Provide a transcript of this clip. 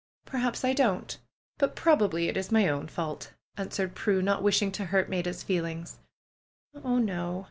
"Perhaps I don't. But probably it is my own fault," answered Prue, not wishing to hurt Maida's feelings. "Oh, no!